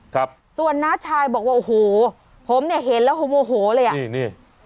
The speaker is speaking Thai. ครับส่วนน้าชายบอกว่าโอ้โหผมเนี่ยเห็นแล้วผมโมโหเลยอ่ะนี่นี่